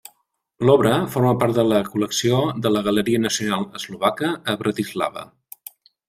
L'obra forma part de la col·lecció de la Galeria Nacional Eslovaca a Bratislava.